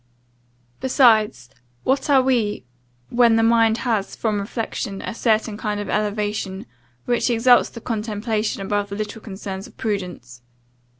Besides, what are we, when the mind has, from reflection, a certain kind of elevation, which exalts the contemplation above the little concerns of prudence!